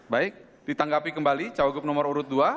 baik ditanggapi kembali cowok cowok nomor urut dua